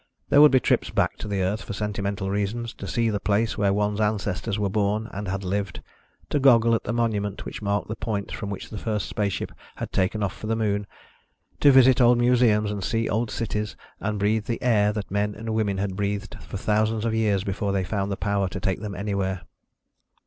There would be trips back to the Earth for sentimental reasons ... to see the place where one's ancestors were born and had lived, to goggle at the monument which marked the point from which the first spaceship had taken off for the Moon, to visit old museums and see old cities and breathe the air that men and women had breathed for thousands of years before they found the power to take them anywhere.